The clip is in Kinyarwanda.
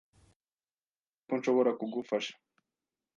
Nizere ko nshobora kugufasha.